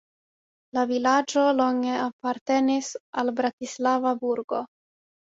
La vilaĝo longe apartenis al Bratislava burgo.